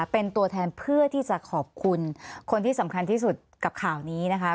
เป็นตัวแทนเพื่อที่จะขอบคุณคนที่สำคัญที่สุดกับข่าวนี้นะคะ